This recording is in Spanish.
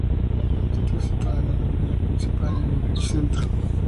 Está situada en la Alameda Principal, en el Ensanche Centro.